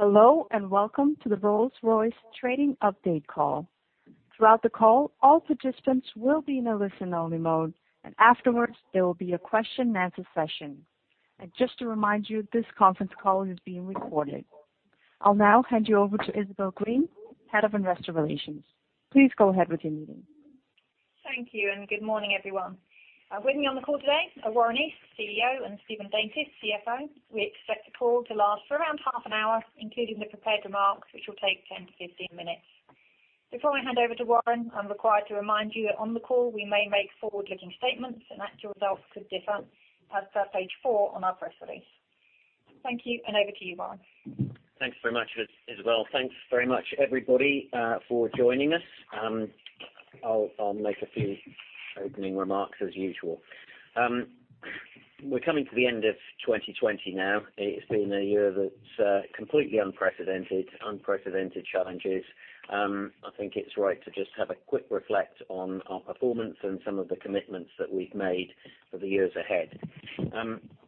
Hello, welcome to the Rolls-Royce Trading Update call. Throughout the call, all participants will be in a listen-only mode, and afterwards, there will be a question and answer session. Just to remind you, this conference call is being recorded. I'll now hand you over to Isabel Green, Head of Investor Relations. Please go ahead with your meeting. Thank you, and good morning, everyone. With me on the call today are Warren East, CEO, and Stephen Daintith, CFO. We expect the call to last for around half an hour, including the prepared remarks, which will take 10-15 minutes. Before I hand over to Warren, I'm required to remind you that on the call, we may make forward-looking statements and actual results could differ as per page four on our press release. Thank you, and over to you, Warren. Thanks very much, Isabel. Thanks very much, everybody, for joining us. I'll make a few opening remarks as usual. We're coming to the end of 2020 now. It's been a year that's completely unprecedented challenges. I think it's right to just have a quick reflect on our performance and some of the commitments that we've made for the years ahead.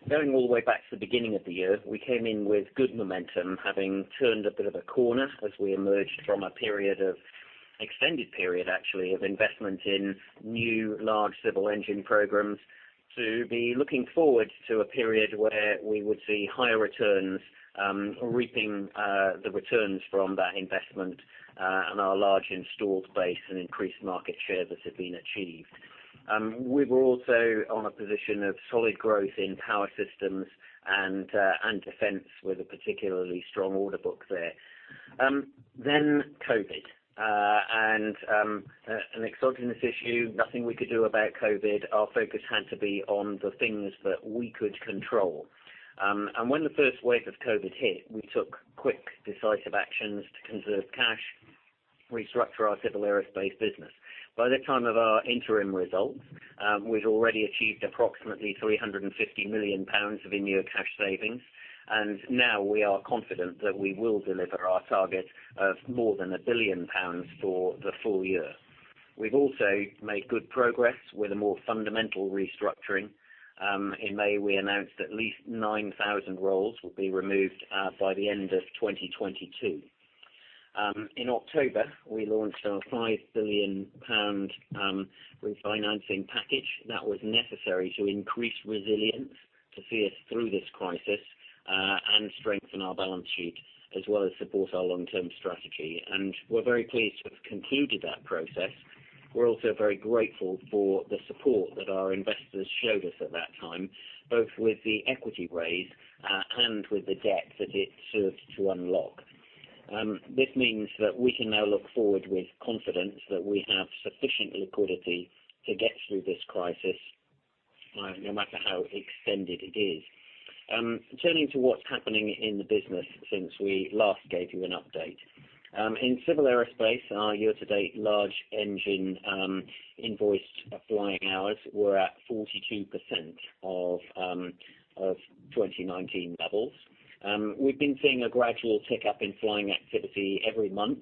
Going all the way back to the beginning of the year, we came in with good momentum, having turned a bit of a corner as we emerged from a period of, extended period, actually, of investment in new large civil engine programs to be looking forward to a period where we would see higher returns, reaping the returns from that investment, and our large installed base and increased market share that had been achieved. We were also on a position of solid growth in Power Systems and Defense, with a particularly strong order book there. COVID. An exogenous issue, nothing we could do about COVID. Our focus had to be on the things that we could control. When the first wave of COVID hit, we took quick, decisive actions to conserve cash, restructure our Civil Aerospace business. By the time of our interim results, we'd already achieved approximately 350 million pounds of in-year cash savings. Now we are confident that we will deliver our target of more than 1 billion pounds for the full year. We've also made good progress with a more fundamental restructuring. In May, we announced at least 9,000 roles will be removed by the end of 2022. In October, we launched our 5 billion pound refinancing package that was necessary to increase resilience to see us through this crisis, and strengthen our balance sheet, as well as support our long-term strategy. We're very pleased to have concluded that process. We're also very grateful for the support that our investors showed us at that time, both with the equity raise and with the debt that it served to unlock. This means that we can now look forward with confidence that we have sufficient liquidity to get through this crisis, no matter how extended it is. Turning to what's happening in the business since we last gave you an update. In Civil Aerospace, our year-to-date large engine invoiced flying hours were at 42% of 2019 levels. We've been seeing a gradual tick up in flying activity every month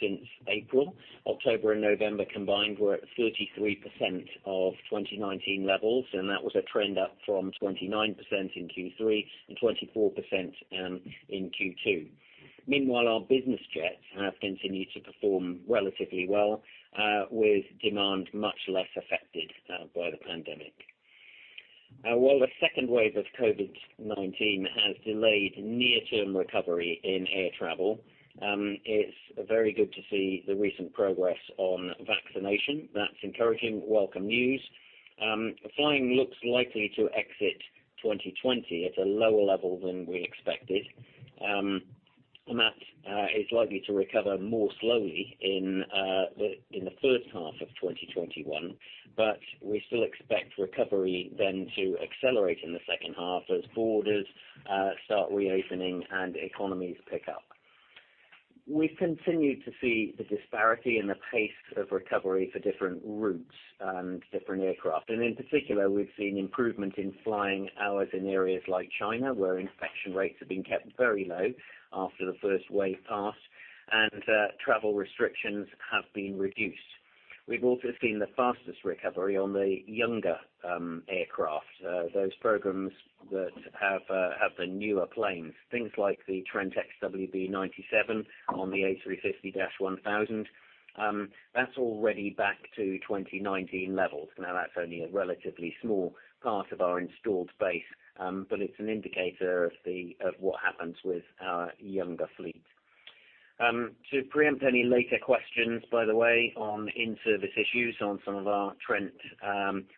since April. October and November combined were at 33% of 2019 levels, that was a trend up from 29% in Q3 and 24% in Q2. Meanwhile, our business jets have continued to perform relatively well, with demand much less affected by the pandemic. While the second wave of COVID-19 has delayed near-term recovery in air travel, it's very good to see the recent progress on vaccination. That's encouraging, welcome news. Flying looks likely to exit 2020 at a lower level than we expected, that is likely to recover more slowly in the first half of 2021. We still expect recovery then to accelerate in the second half as borders start reopening and economies pick up. We've continued to see the disparity in the pace of recovery for different routes and different aircraft. In particular, we've seen improvement in flying hours in areas like China, where infection rates have been kept very low after the first wave passed and travel restrictions have been reduced. We've also seen the fastest recovery on the younger aircraft, those programs that have the newer planes, things like the Trent XWB-97 on the A350-1000. That's already back to 2019 levels. That's only a relatively small part of our installed base, it's an indicator of what happens with our younger fleet. To preempt any later questions, by the way, on in-service issues on some of our Trent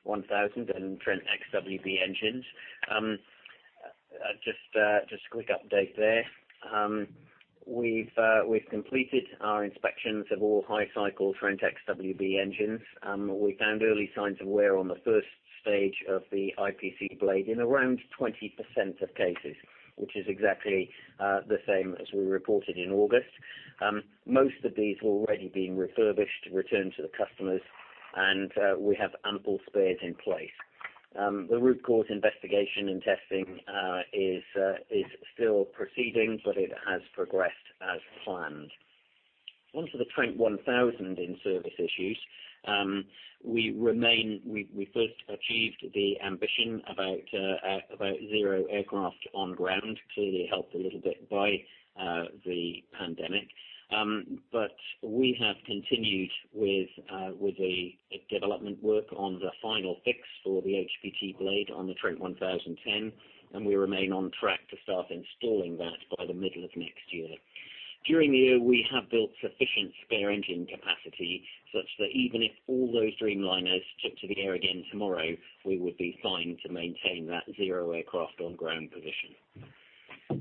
1000 and Trent XWB engines, just a quick update there. We've completed our inspections of all high-cycle Trent XWB engines. We found early signs of wear on the first stage of the IPC blade in around 20% of cases, which is exactly the same as we reported in August. Most of these have already been refurbished, returned to the customers, and we have ample spares in place. The root cause investigation and testing is still proceeding, but it has progressed as planned. Onto the Trent 1000 in-service issues. We first achieved the ambition about zero aircraft on ground, clearly helped a little bit by the pandemic. We have continued with the development work on the final fix for the HPT blade on the Trent 1000 TEN, and we remain on track to start installing that by the middle of next year. During the year, we have built sufficient spare engine capacity such that even if all those Dreamliners took to the air again tomorrow, we would be fine to maintain that zero aircraft on ground position.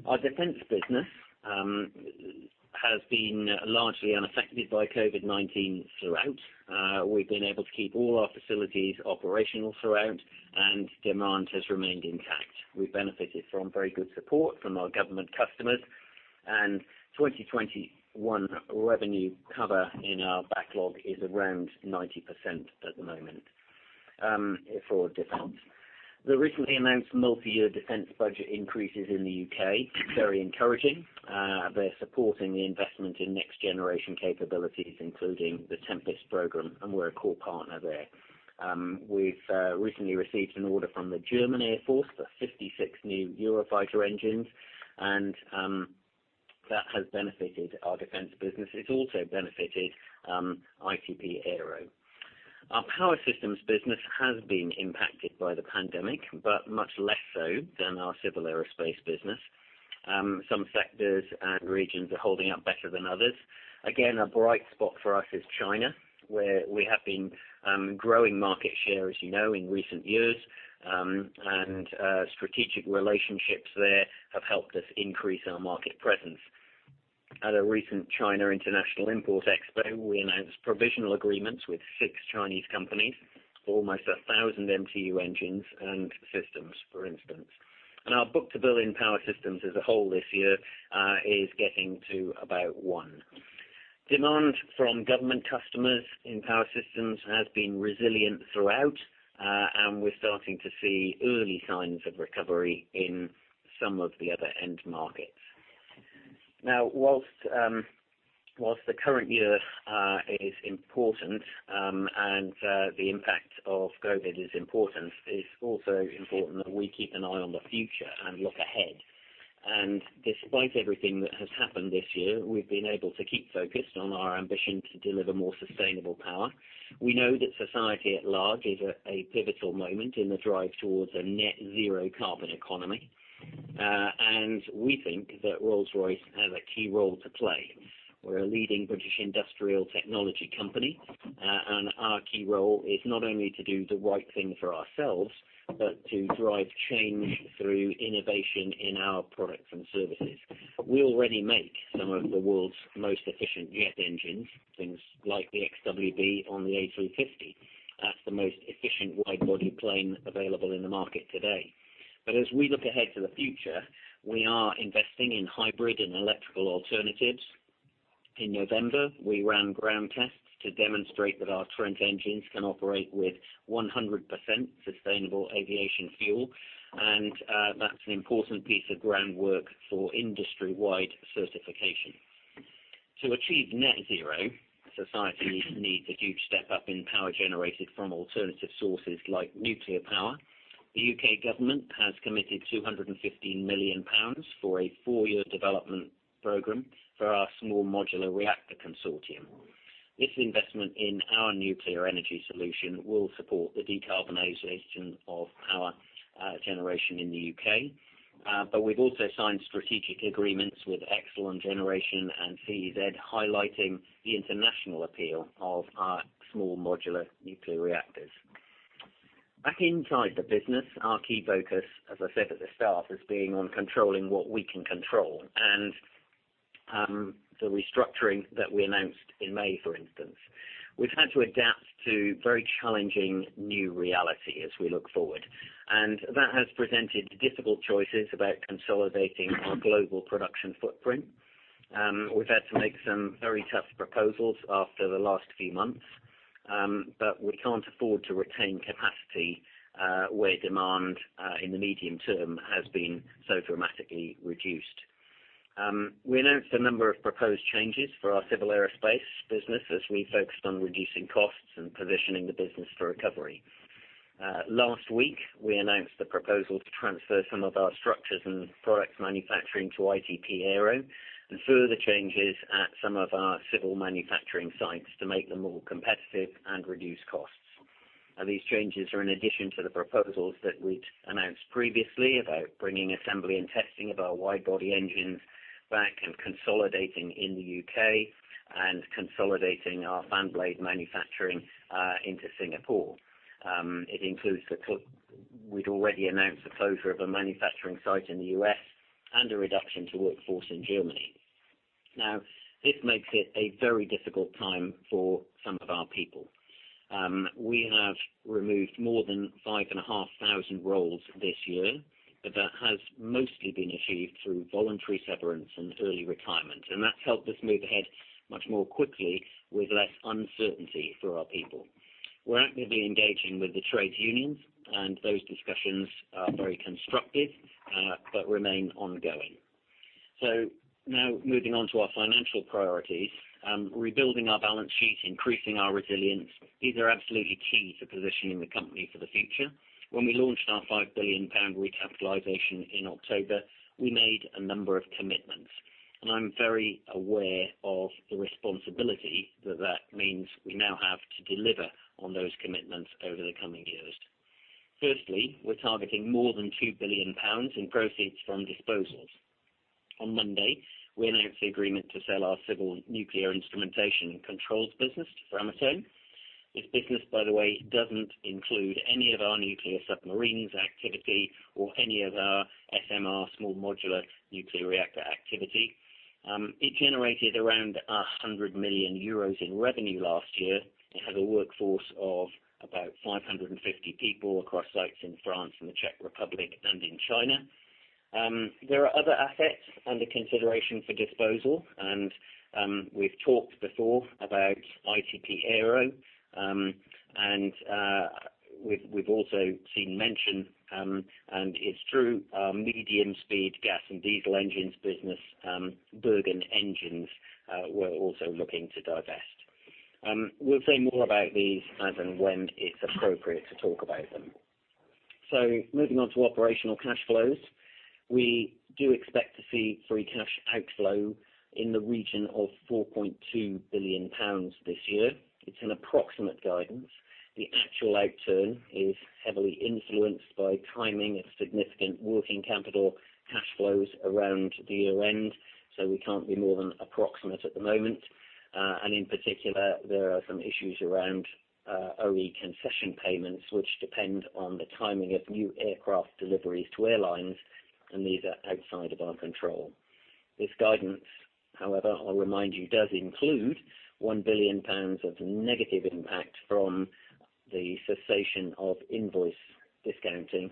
Our defense business has been largely unaffected by COVID-19 throughout. We've been able to keep all our facilities operational throughout, and demand has remained intact. We've benefited from very good support from our government customers, and 2021 revenue cover in our backlog is around 90% at the moment, for defense. The recently announced multi-year defense budget increases in the U.K., very encouraging. They're supporting the investment in next generation capabilities, including the Tempest program, and we're a core partner there. We've recently received an order from the German Air Force for 56 new Eurofighter engines, and that has benefited our defense business. It's also benefited ITP Aero. Our Power Systems business has been impacted by the pandemic, but much less so than our Civil Aerospace business. Some sectors and regions are holding up better than others. Again, a bright spot for us is China, where we have been growing market share, as you know, in recent years. Strategic relationships there have helped us increase our market presence. At a recent China International Import Expo, we announced provisional agreements with six Chinese companies, almost 1,000 MTU engines and systems, for instance. Our book-to-bill in Power Systems as a whole this year, is getting to about one. Demand from government customers in Power Systems has been resilient throughout, and we're starting to see early signs of recovery in some of the other end markets. Now, while the current year is important, and the impact of COVID is important, it's also important that we keep an eye on the future and look ahead. Despite everything that has happened this year, we've been able to keep focused on our ambition to deliver more sustainable power. We know that society at large is at a pivotal moment in the drive towards a net-zero carbon economy. We think that Rolls-Royce has a key role to play. We're a leading British industrial technology company, and our key role is not only to do the right thing for ourselves, but to drive change through innovation in our products and services. We already make some of the world's most efficient jet engines, things like the XWB on the A350. That's the most efficient wide-body plane available in the market today. As we look ahead to the future, we are investing in hybrid and electrical alternatives. In November, we ran ground tests to demonstrate that our Trent engines can operate with 100% sustainable aviation fuel, and that's an important piece of groundwork for industry-wide certification. To achieve net zero, society needs a huge step up in power generated from alternative sources like nuclear power. The U.K. government has committed 215 million pounds for a four-year development program for our small modular reactor consortium. This investment in our nuclear energy solution will support the decarbonization of power generation in the U.K. We've also signed strategic agreements with Exelon Generation and ČEZ Group, highlighting the international appeal of our small modular nuclear reactors. Back inside the business, our key focus, as I said at the start, has been on controlling what we can control and the restructuring that we announced in May, for instance. We've had to adapt to very challenging new reality as we look forward, and that has presented difficult choices about consolidating our global production footprint. We've had to make some very tough proposals after the last few months, but we can't afford to retain capacity, where demand in the medium term has been so dramatically reduced. We announced a number of proposed changes for our Civil Aerospace business as we focused on reducing costs and positioning the business for recovery. Last week, we announced the proposal to transfer some of our structures and product manufacturing to ITP Aero and further changes at some of our civil manufacturing sites to make them more competitive and reduce costs. These changes are in addition to the proposals that we'd announced previously about bringing assembly and testing of our wide-body engines back and consolidating in the U.K. and consolidating our fan blade manufacturing into Singapore. We'd already announced the closure of a manufacturing site in the U.S. and a reduction to workforce in Germany. This makes it a very difficult time for some of our people. We have removed more than 5,500 roles this year, but that has mostly been achieved through voluntary severance and early retirement, and that's helped us move ahead much more quickly with less uncertainty for our people. We're actively engaging with the trade unions, and those discussions are very constructive, but remain ongoing. Now moving on to our financial priorities. Rebuilding our balance sheet, increasing our resilience, these are absolutely key to positioning the company for the future. When we launched our 5 billion pound recapitalization in October, we made a number of commitments, and I'm very aware of the responsibility that that means we now have to deliver on those commitments over the coming years. Firstly, we're targeting more than 2 billion pounds in proceeds from disposals. On Monday, we announced the agreement to sell our civil nuclear instrumentation and controls business to Framatome. This business, by the way, doesn't include any of our nuclear submarines activity or any of our SMR, small modular reactor activity. It generated around 100 million euros in revenue last year. It has a workforce of about 550 people across sites in France and the Czech Republic and in China. There are other assets under consideration for disposal, and we've talked before about ITP Aero. We've also seen mention, and it's true, our medium speed gas and diesel engines business, Bergen Engines, we're also looking to divest. We'll say more about these as and when it's appropriate to talk about them. Moving on to operational cash flows. We do expect to see free cash outflow in the region of 4.2 billion pounds this year. It's an approximate guidance. The actual outturn is heavily influenced by timing of significant working capital cash flows around year-end, so we can't be more than approximate at the moment. In particular, there are some issues around OE concession payments, which depend on the timing of new aircraft deliveries to airlines, and these are outside of our control. This guidance, however, I'll remind you, does include 1 billion pounds of negative impact from the cessation of invoice discounting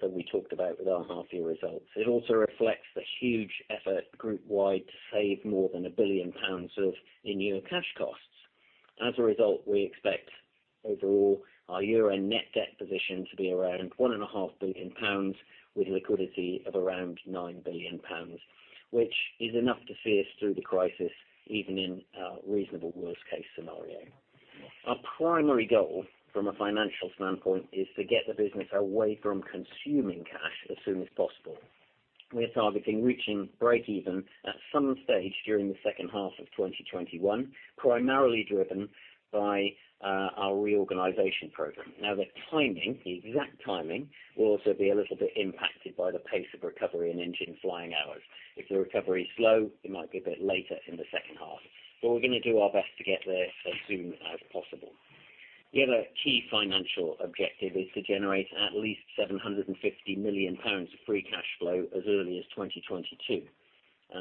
that we talked about with our half-year results. It also reflects the huge effort group wide to save more than a 1 billion pounds of in-year cash costs. As a result, we expect overall our year-end net debt position to be around 1.5 billion pounds, with liquidity of around 9 billion pounds, which is enough to see us through the crisis, even in a reasonable worst-case scenario. Our primary goal from a financial standpoint is to get the business away from consuming cash as soon as possible. We're targeting reaching break even at some stage during the second half of 2021, primarily driven by our reorganization program. The timing, the exact timing, will also be a little bit impacted by the pace of recovery in engine flying hours. If the recovery is slow, it might be a bit later in the second half. We're going to do our best to get there as soon as possible. The other key financial objective is to generate at least £750 million of free cash flow as early as 2022.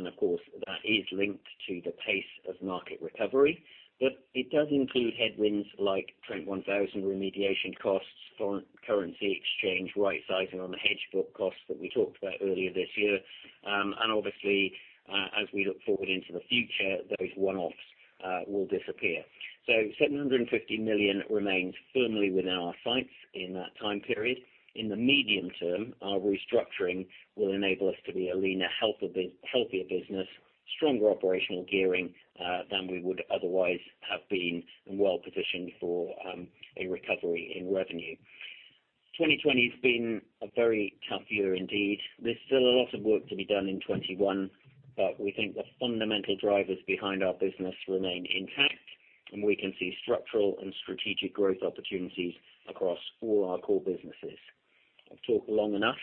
Of course, that is linked to the pace of market recovery, but it does include headwinds like Trent 1000 remediation costs, foreign currency exchange, rightsizing on the hedge book costs that we talked about earlier this year. Obviously, as we look forward into the future, those one-offs will disappear. 750 million remains firmly within our sights in that time period. In the medium term, our restructuring will enable us to be a leaner, healthier business, stronger operational gearing than we would otherwise have been, and well-positioned for a recovery in revenue. 2020's been a very tough year indeed. There's still a lot of work to be done in 2021, we think the fundamental drivers behind our business remain intact, and we can see structural and strategic growth opportunities across all our core businesses. I've talked long enough,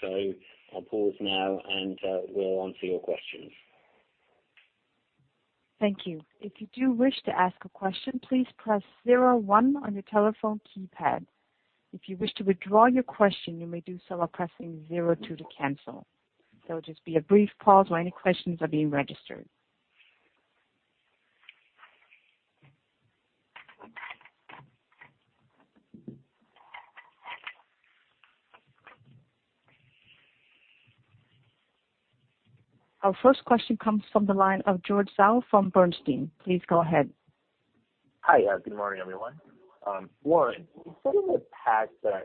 so I'll pause now and we'll answer your questions. Thank you. If you do wish to ask a question, please press zero one on your telephone keypad. If you wish to withdraw your question, you may do so by pressing zero two to cancel. There will just be a brief pause while any questions are being registered. Our first question comes from the line of George Zhao from Bernstein. Please go ahead. Hi. Good morning, everyone. Warren, some of the past, there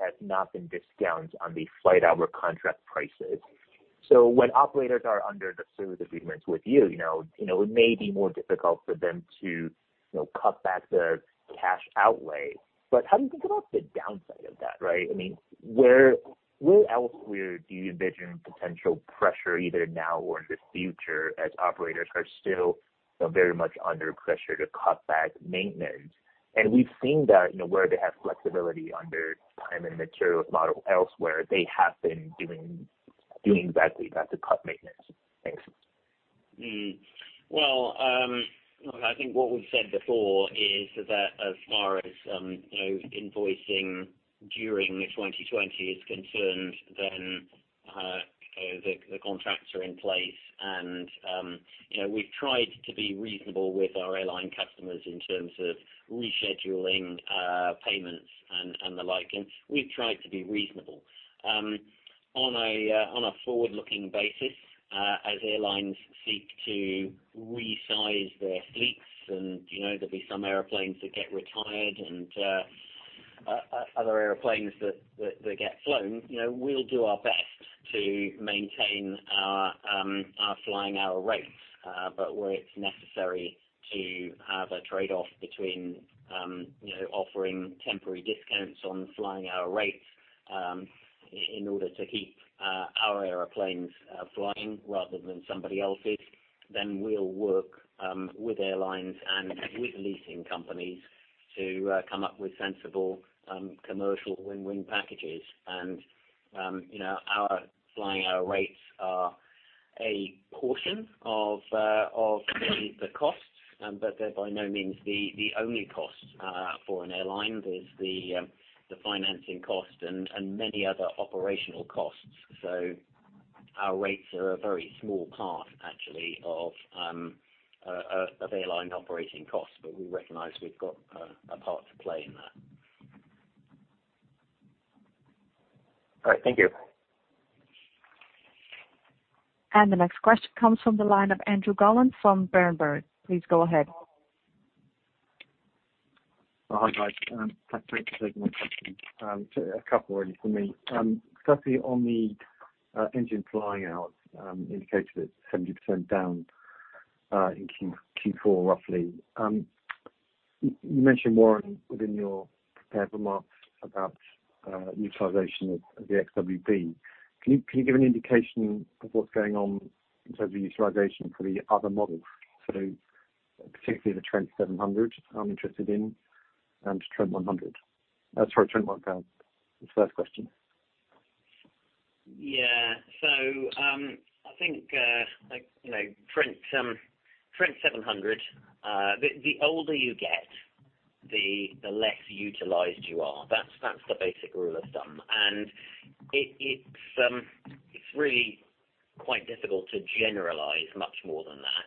has not been discounts on the flight hour contract prices. When operators are under the service agreements with you, it may be more difficult for them to cut back their cash outlay. How do you think about the downside of that, right? Where elsewhere do you envision potential pressure either now or in the future as operators are still very much under pressure to cut back maintenance? We've seen that, where they have flexibility under time and materials model elsewhere, they have been doing exactly that, to cut maintenance. Thanks. Well, I think what we've said before is that as far as invoicing during 2020 is concerned, then the contracts are in place and we've tried to be reasonable with our airline customers in terms of rescheduling payments and the like. We've tried to be reasonable. On a forward-looking basis, as airlines seek to resize their fleets, and there'll be some airplanes that get retired and other airplanes that get flown. We'll do our best to maintain our flying hour rates, but where it's necessary to have a trade-off between offering temporary discounts on flying hour rates in order to keep our airplanes flying rather than somebody else's, then we'll work with airlines and with leasing companies to come up with sensible commercial win-win packages. Our flying hour rates are a portion of the costs, but they're by no means the only costs for an airline. There is the financing cost and many other operational costs. Our rates are a very small part, actually, of airline operating costs. We recognize we have got a part to play in that. All right. Thank you. The next question comes from the line of Andrew Gollan from Berenberg. Please go ahead. Hi, guys. Thanks for taking my question. A couple, really from me. Firstly, on the engine flying hours, you indicated it's 70% down in Q4, roughly. You mentioned, Warren, within your prepared remarks about utilization of the XWB. Can you give an indication of what's going on in terms of utilization for the other models? Particularly the Trent 700, I'm interested in, and sorry, Trent 1000. It's the first question. Yeah. I think, Trent 700, the older you get, the less utilized you are. That's the basic rule of thumb. It's really quite difficult to generalize much more than that.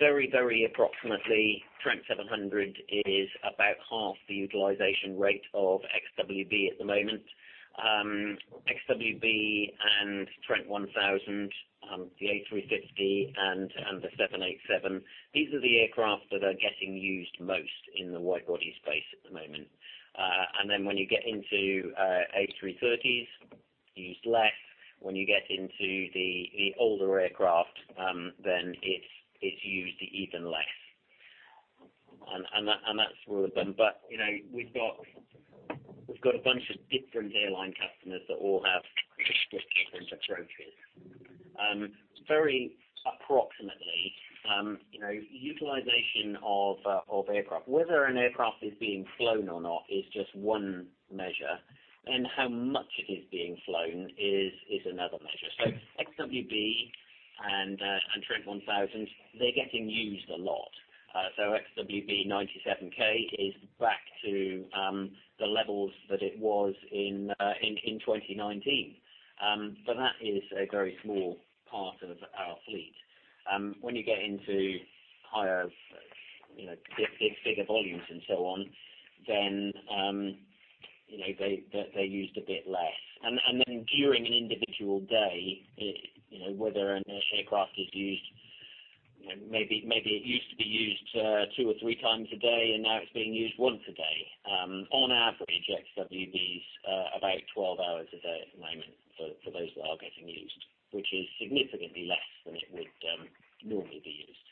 Very approximately, Trent 700 is about half the utilization rate of Trent XWB at the moment. Trent XWB and Trent 1000, the A350 and the 787, these are the aircraft that are getting used most in the wide-body space at the moment. When you get into A330s, used less, when you get into the older aircraft, then it's used even less. That's the rule of thumb. We've got a bunch of different airline customers that all have just different approaches. Very approximately, utilization of aircraft, whether an aircraft is being flown or not is just one measure, and how much it is being flown is another measure. XWB and Trent 1000, they're getting used a lot. XWB-97K is back to the levels that it was in 2019. That is a very small part of our fleet. When you get into higher, bigger volumes and so on, then they're used a bit less. During an individual day, whether an aircraft is used, maybe it used to be used two or three times a day, and now it's being used once a day. On average, XWBs are about 12 hours a day at the moment for those that are getting used, which is significantly less than it would normally be used.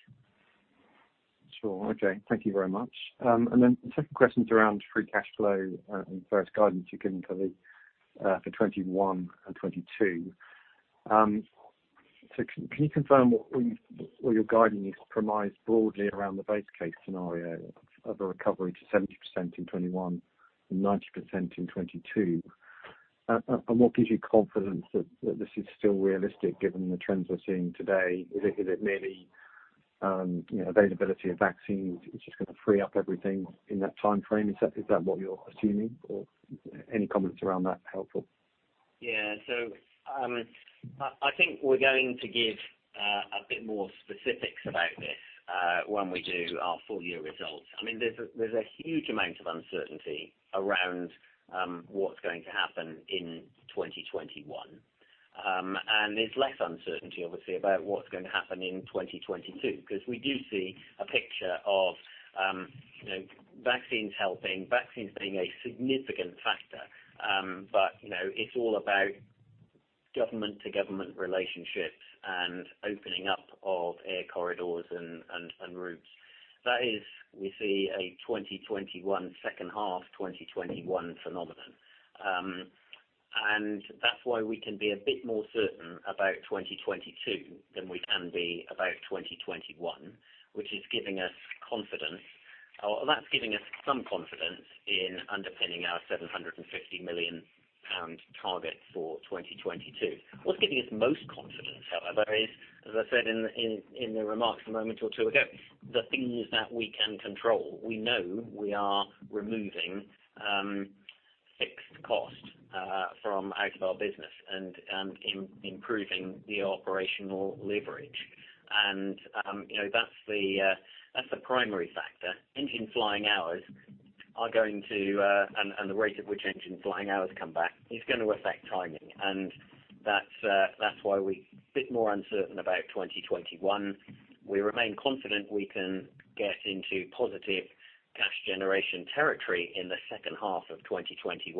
Sure. Okay. Thank you very much. The second question is around free cash flow and various guidance you've given for 2021 and 2022. Can you confirm all your guiding is premised broadly around the base case scenario of a recovery to 70% in 2021 and 90% in 2022? What gives you confidence that this is still realistic given the trends we're seeing today? Is it merely availability of vaccines is just going to free up everything in that time frame? Is that what you're assuming? Any comments around that helpful. I think we're going to give a bit more specifics about this when we do our full-year results. There's a huge amount of uncertainty around what's going to happen in 2021. There's less uncertainty, obviously, about what's going to happen in 2022, because we do see a picture of vaccines helping, vaccines being a significant factor. It's all about government-to-government relationships and opening up of air corridors and routes. That is, we see a 2021, second half 2021 phenomenon. That's why we can be a bit more certain about 2022 than we can be about 2021, which is giving us confidence. That's giving us some confidence in underpinning our 750 million pound target for 2022. What's giving us most confidence, however, is, as I said in the remarks a moment or two ago, the things that we can control. We know we are removing fixed cost from out of our business and improving the operational leverage. That's the primary factor. Engine flying hours and the rate at which engine flying hours come back is going to affect timing. That's why we're a bit more uncertain about 2021. We remain confident we can get into positive cash generation territory in the second half of 2021.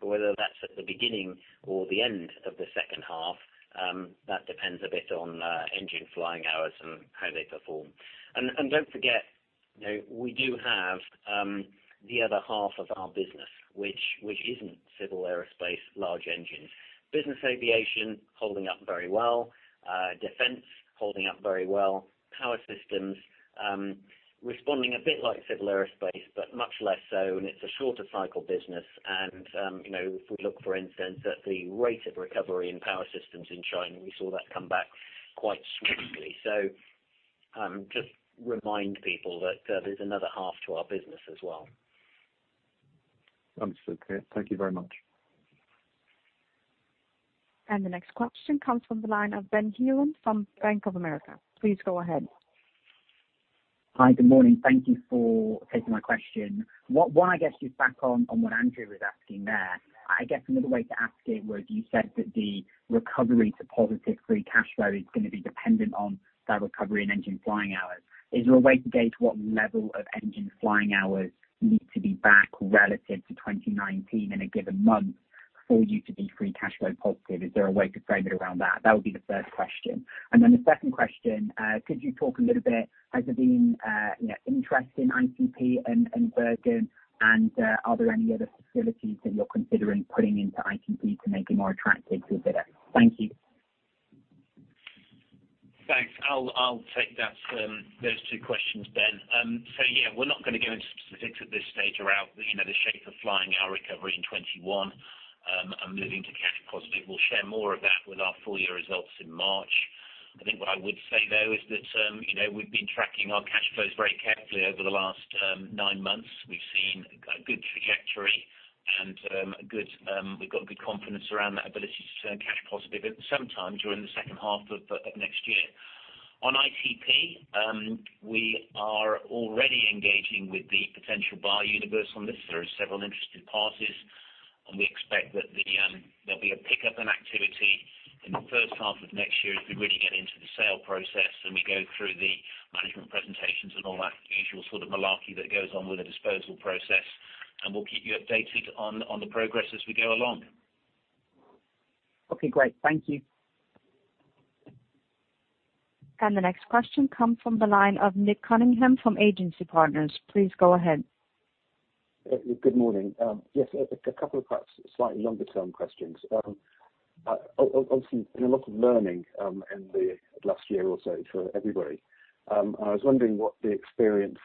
Whether that's at the beginning or the end of the second half, that depends a bit on engine flying hours and how they perform. Don't forget, we do have the other half of our business, which isn't Civil Aerospace large engines. Business aviation, holding up very well. Defense, holding up very well. Power Systems, responding a bit like Civil Aerospace, but much less so, it's a shorter cycle business. If we look, for instance, at the rate of recovery in Power Systems in China, we saw that come back quite swiftly. Just remind people that there's another half to our business as well. Understood, clear. Thank you very much. The next question comes from the line of Ben Heelan from Bank of America. Please go ahead. Hi. Good morning. Thank you for taking my question. One, I guess, is back on what Andrew was asking there. I guess another way to ask it was, you said that the recovery to positive free cash flow is going to be dependent on that recovery in engine flying hours. Is there a way to gauge what level of engine flying hours need to be back relative to 2019 in a given month for you to be free cash flow positive? Is there a way to frame it around that? That would be the first question. The second question, could you talk a little bit, has there been interest in ITP and Bergen, and are there any other facilities that you're considering putting into ITP to make it more attractive to a bidder? Thank you. Thanks. I'll take those two questions, Ben. Yeah, we're not going to go into specifics at this stage around the shape of flying hour recovery in 2021 and moving to cash positive. We'll share more of that with our full year results in March. I think what I would say, though, is that we've been tracking our cash flows very carefully over the last nine months. We've seen a good trajectory, and we've got good confidence around that ability to turn cash positive at some time during the second half of next year. On ITP, we are already engaging with the potential buyer universe on this. There are several interested parties. We expect that there'll be a pickup in activity in the first half of next year as we really get into the sale process and we go through the management presentations and all that usual sort of malarkey that goes on with a disposal process. We'll keep you updated on the progress as we go along. Okay, great. Thank you. The next question comes from the line of Nick Cunningham from Agency Partners. Please go ahead. Good morning. Yes, a couple of perhaps slightly longer term questions. Obviously, there's been a lot of learning in the last year or so for everybody. I was wondering what the experience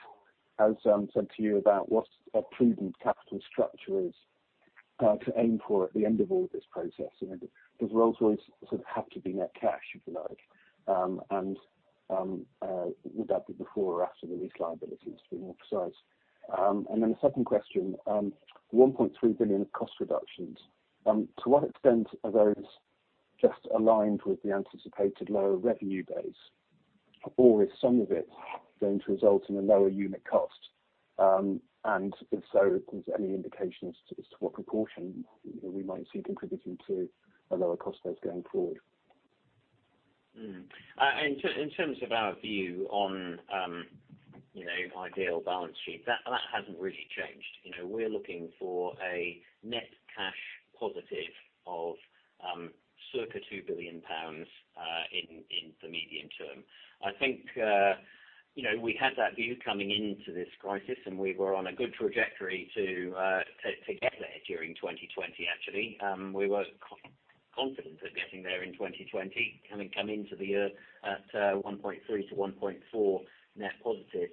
has said to you about what a prudent capital structure is to aim for at the end of all this process. Does Rolls-Royce sort of have to be net cash, if you like? Would that be before or after the lease liability, just to be more precise. Then the second question, 1.3 billion of cost reductions. To what extent are those just aligned with the anticipated lower revenue base, or is some of it going to result in a lower unit cost? If so, is there any indications as to what proportion we might see contributing to a lower cost base going forward? In terms of our view on ideal balance sheet, that hasn't really changed. We're looking for a net cash positive of circa 2 billion pounds in the medium term. I think we had that view coming into this crisis, and we were on a good trajectory to get there during 2020, actually. We were confident of getting there in 2020, having come into the year at 1.3-1.4 net positive.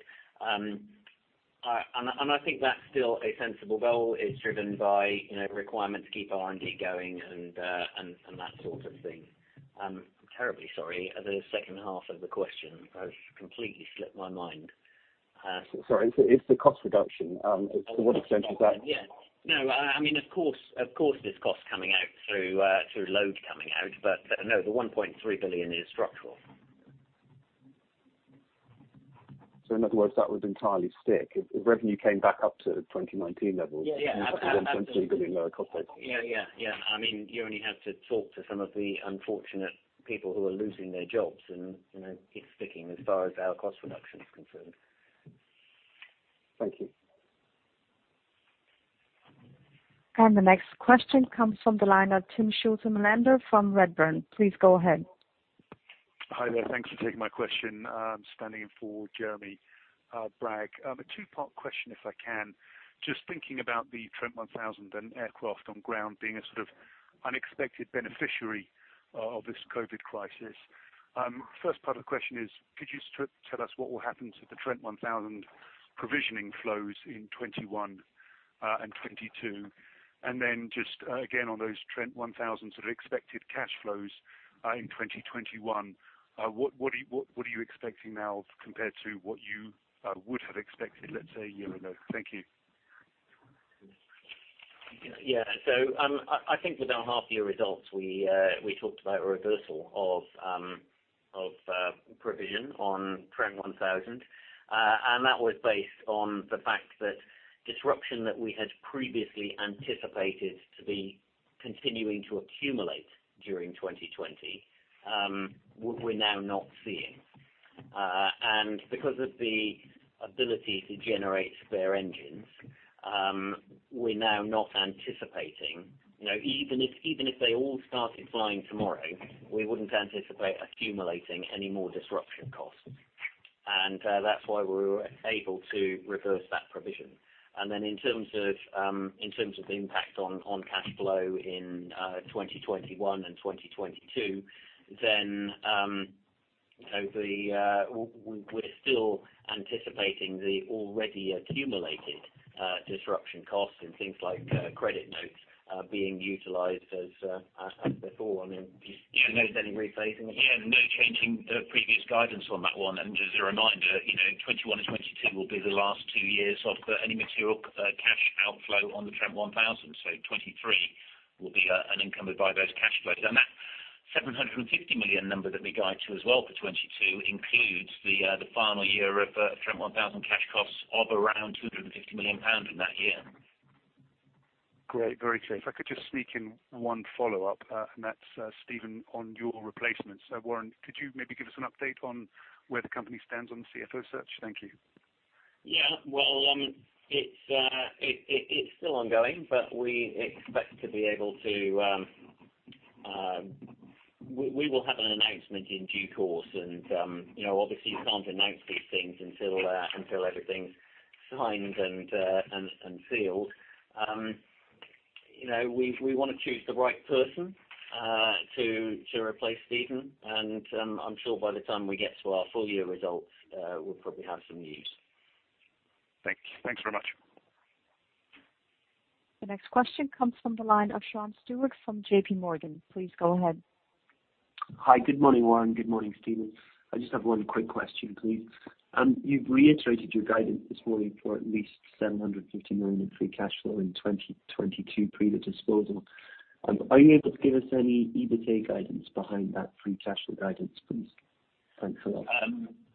I think that's still a sensible goal. It's driven by requirement to keep R&D going and that sort of thing. I'm terribly sorry, the second half of the question has completely slipped my mind. Sorry. It's the cost reduction. To what extent is that- Yeah. No, of course there's cost coming out through load coming out. No, the 1.3 billion is structural. In other words, that would entirely stick. If revenue came back up to 2019 levels. Yeah. There'd be GBP 1.3 billion lower cost base. Yeah. You only have to talk to some of the unfortunate people who are losing their jobs, and it's sticking as far as our cost reduction is concerned. Thank you. The next question comes from the line of Timm Schulze-Melander from Redburn. Please go ahead. Hi there. Thanks for taking my question. I'm standing in for Jeremy Bragg. A two-part question, if I can. Just thinking about the Trent 1000 and aircraft on ground being a sort of unexpected beneficiary of this COVID crisis. First part of the question is, could you tell us what will happen to the Trent 1000 provisioning flows in 2021 and 2022? Just again, on those Trent 1000 sort of expected cash flows in 2021, what are you expecting now compared to what you would have expected, let's say, a year ago? Thank you. I think with our half year results, we talked about a reversal of provision on Trent 1000. That was based on the fact that disruption that we had previously anticipated to be continuing to accumulate during 2020, we're now not seeing. Because of the ability to generate spare engines, we're now not anticipating. Even if they all started flying tomorrow, we wouldn't anticipate accumulating any more disruption costs. That's why we were able to reverse that provision. In terms of the impact on cash flow in 2021 and 2022, we're still anticipating the already accumulated disruption costs and things like credit notes are being utilized as before. Yeah, no changing the previous guidance on that one. Just a reminder, 2021 and 2022 will be the last two years of any material cash outflow on the Trent 1000. 2023 will be unencumbered by those cash flows. That 750 million number that we guide to as well for 2022 includes the final year of Trent 1000 cash costs of around 250 million pound in that year. Great. Very clear. If I could just sneak in one follow-up, and that's Stephen on your replacement. Warren, could you maybe give us an update on where the company stands on the CFO search? Thank you. Well, it's still ongoing. We will have an announcement in due course. Obviously, you can't announce these things until everything's signed and sealed. We want to choose the right person to replace Stephen. I'm sure by the time we get to our full year results, we'll probably have some news. Thank you. Thanks very much. The next question comes from the line of Sean Stewart from JPMorgan. Please go ahead. Hi. Good morning, Warren. Good morning, Stephen. I just have one quick question, please. You've reiterated your guidance this morning for at least 750 million in free cash flow in 2022, pre the disposal. Are you able to give us any EBITA guidance behind that free cash flow guidance, please? Thanks a lot.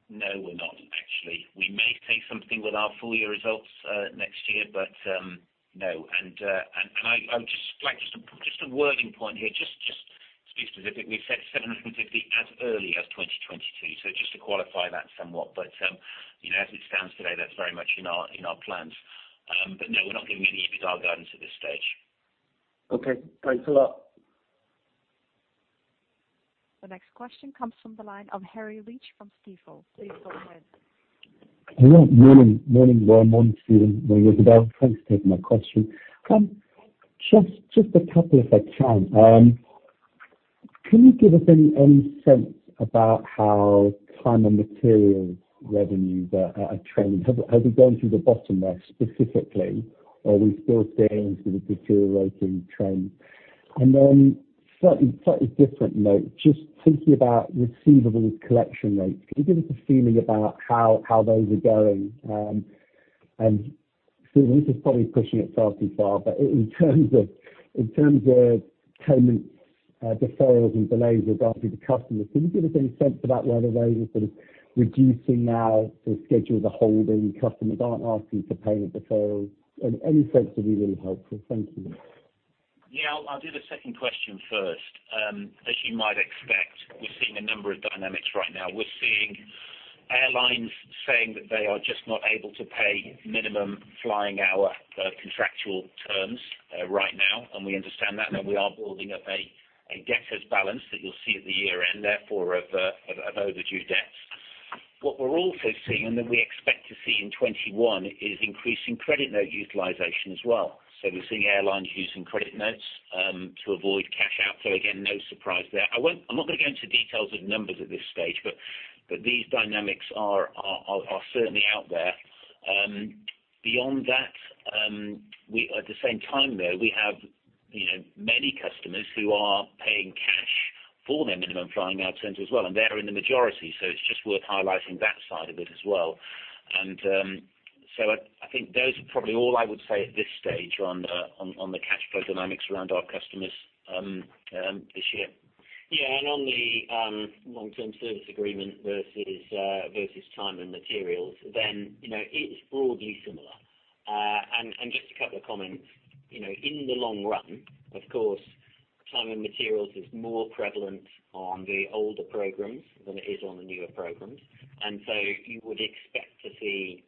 No, we're not, actually. We may say something with our full year results next year, but no. I would just like, just a wording point here, just to be specific, we've said 750 million as early as 2022. Just to qualify that somewhat. As it stands today, that's very much in our plans. No, we're not giving any EBITA guidance at this stage. Okay. Thanks a lot. The next question comes from the line of Harry Breach from Stifel. Please go ahead. Hello. Morning, Warren. Morning, Stephen. Morning, Isabel. Thanks for taking my question. Just a couple, if I can. Can you give us any sense about how time and materials revenues are trending? Have we gone through the bottom there specifically, or are we still seeing sort of deteriorating trends? Slightly different note, just thinking about receivables collection rates. Can you give us a feeling about how those are going? Stephen, this is probably pushing it far too far, but in terms of payment deferrals and delays regarding the customers, can you give us any sense for that, whether those are sort of reducing now to schedule the holding, customers aren't asking for payment deferrals? Any sense would be really helpful. Thank you. Yeah, I'll do the second question first. As you might expect, we're seeing a number of dynamics right now. We're seeing airlines saying that they are just not able to pay minimum flying hour contractual terms right now, and we understand that, and we are building up a debtors balance that you'll see at the year end, therefore of overdue debts. What we're also seeing, and that we expect to see in 2021, is increasing credit note utilization as well. We're seeing airlines using credit notes to avoid cash outflow. Again, no surprise there. I'm not going to go into details of numbers at this stage, but these dynamics are certainly out there. Beyond that, at the same time, though, we have many customers who are paying cash for their minimum flying hour contracts as well, and they're in the majority. It's just worth highlighting that side of it as well. I think those are probably all I would say at this stage on the cash flow dynamics around our customers this year. Yeah. On the Long-Term Service Agreement versus time and materials, it's broadly similar. Just a couple of comments. In the long run, of course, time and materials is more prevalent on the older programs than it is on the newer programs. You would expect to see,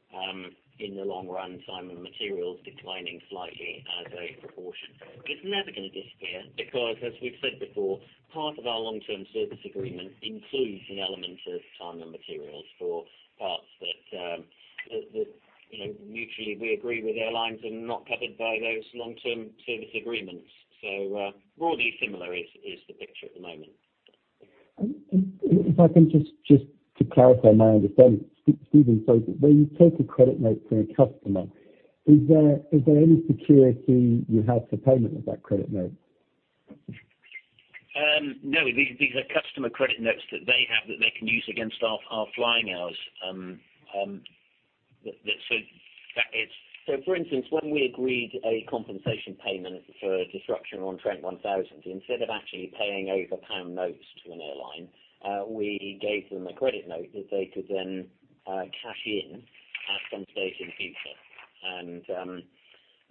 in the long run, time and materials declining slightly as a proportion. It's never going to disappear because, as we've said before, part of our Long-Term Service Agreement includes the element of time and materials for parts that mutually we agree with airlines and not covered by those Long-Term Service Agreements. Broadly similar is the picture at the moment. If I can just clarify my understanding. Stephen, when you take a credit note from a customer, is there any security you have for payment of that credit note? No, these are customer credit notes that they have that they can use against our flying hours. For instance, when we agreed a compensation payment for disruption on Trent 1000, instead of actually paying over pound notes to an airline, we gave them a credit note that they could then cash in at some stage in the future.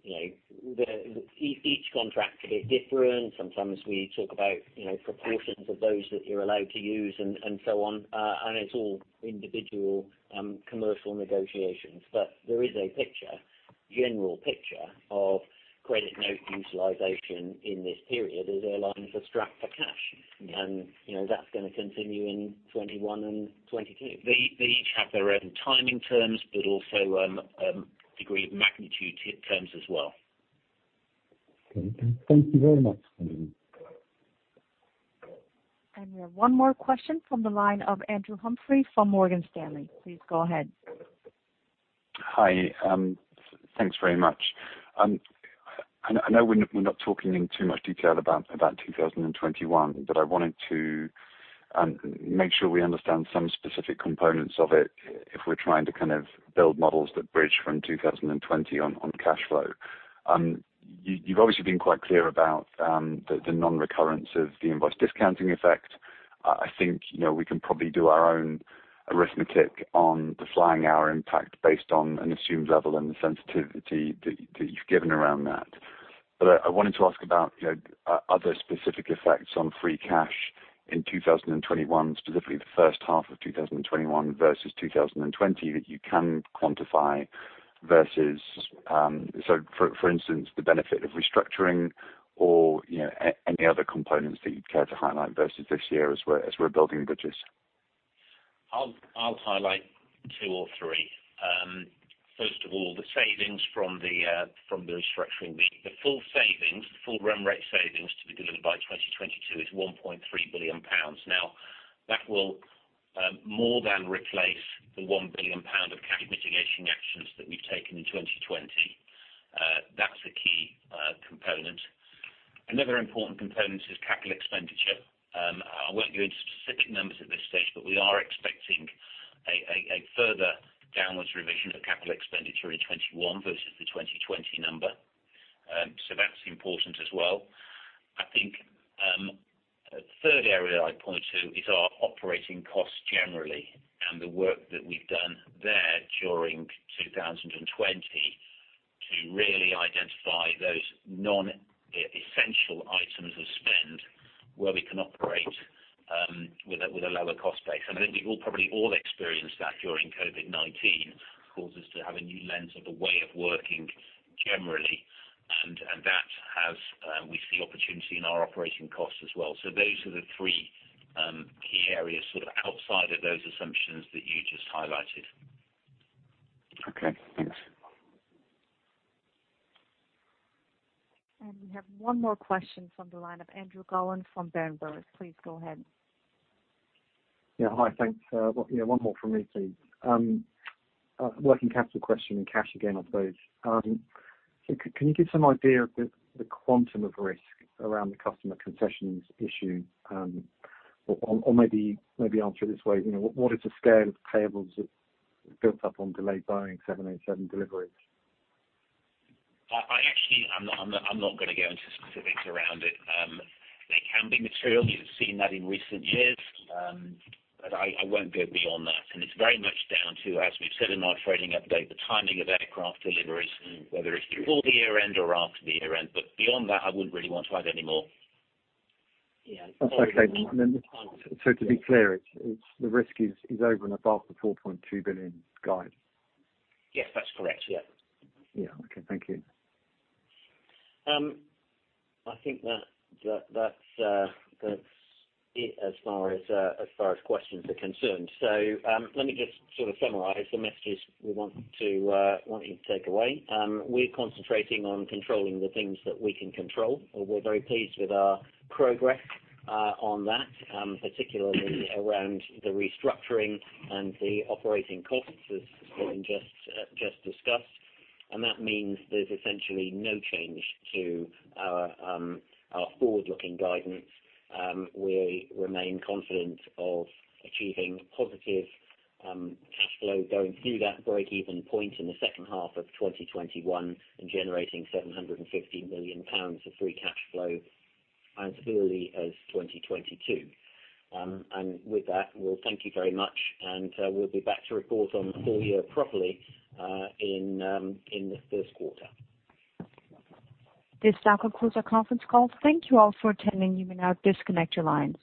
Each contract is different. Sometimes we talk about proportions of those that you're allowed to use and so on, and it's all individual commercial negotiations. There is a general picture of credit note utilization in this period as airlines are strapped for cash, and that's going to continue in 2021 and 2022. They each have their own timing terms, but also degree of magnitude terms as well. Okay. Thank you very much. We have one more question from the line of Andrew Humphrey from Morgan Stanley. Please go ahead. Hi. Thanks very much. I know we're not talking in too much detail about 2021. I wanted to make sure we understand some specific components of it if we're trying to build models that bridge from 2020 on cash flow. You've obviously been quite clear about the non-recurrence of the invoice discounting effect. I think we can probably do our own arithmetic on the flying hour impact based on an assumed level and the sensitivity that you've given around that. I wanted to ask about other specific effects on free cash in 2021, specifically the first half of 2021 versus 2020, that you can quantify versus, for instance, the benefit of restructuring or any other components that you'd care to highlight versus this year as we're building the bridges. I'll highlight two or three. The savings from the restructuring. The full run rate savings to be delivered by 2022 is 1.3 billion pounds. That will more than replace the 1 billion pound of cash mitigation actions that we've taken in 2020. That's a key component. Another important component is capital expenditure. I won't go into specific numbers at this stage, we are expecting a further downwards revision of capital expenditure in 2021 versus the 2020 number. That's important as well. I think a third area I'd point to is our operating costs generally and the work that we've done there during 2020 to really identify those non-essential items of spend where we can operate with a lower cost base. I think we've probably all experienced that during COVID-19. Caused us to have a new lens of a way of working generally. We see opportunity in our operating costs as well. Those are the three key areas sort of outside of those assumptions that you just highlighted. Okay, thanks. We have one more question from the line of Andrew Gollan from Berenberg. Please go ahead. Yeah. Hi. Thanks. One more from me, please. Working capital question and cash again, I suppose. Can you give some idea of the quantum of risk around the customer concessions issue? Or maybe answer it this way: what is the scale of payables that built up on delayed Boeing 787 deliveries? I'm not going to go into specifics around it. They can be material. You've seen that in recent years. I won't go beyond that. It's very much down to, as we've said in our trading update, the timing of aircraft deliveries and whether it's before the year end or after the year end. Beyond that, I wouldn't really want to add any more. Yeah. That's okay. To be clear, the risk is over and above the 4.2 billion guide. Yes, that's correct. Yeah. Yeah. Okay. Thank you. I think that's it as far as questions are concerned. Let me just sort of summarize the messages we want you to take away. We're concentrating on controlling the things that we can control. We're very pleased with our progress on that, particularly around the restructuring and the operating costs, as Stephen just discussed. That means there's essentially no change to our forward-looking guidance. We remain confident of achieving positive cash flow going through that break-even point in the second half of 2021 and generating 750 million pounds of free cash flow as early as 2022. With that, we'll thank you very much, and we'll be back to report on the full year properly in the first quarter. This now concludes our conference call. Thank you all for attending. You may now disconnect your lines.